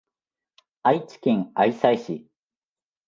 愛知県愛西市